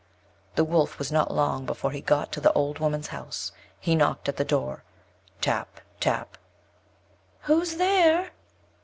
The Wolf was not long before he got to the old woman's house: he knocked at the door, tap, tap. "Who's there?"